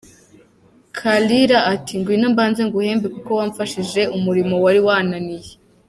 Kalira ati: «Ngwino mbanze nguhembe kuko wamfashije umurimo wari wananiye».